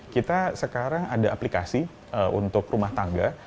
kita sekarang ada aplikasi untuk rumah tangga